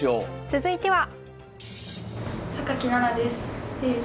続いては。